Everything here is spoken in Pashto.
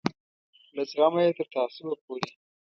له زغمه یې تر تعصبه پورې.